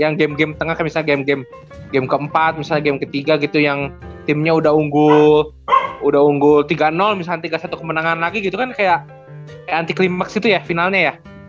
yang game game tengah kayak misalnya game ke empat misalnya game ke tiga gitu yang timnya udah unggul tiga misalnya tiga satu kemenangan lagi gitu kan kayak anti climax gitu ya finalnya ya